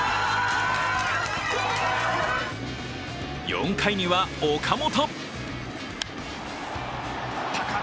４回には岡本。